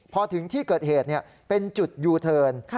พอถึงที่เกิดเหตุเป็นจุดยูเทิร์น